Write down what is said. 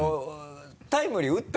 タイムリー打った？